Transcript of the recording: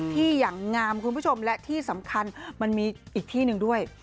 ที่อย่างงามคุณผู้ชมและที่สำคัญมันมีอีกที่หนึ่งด้วย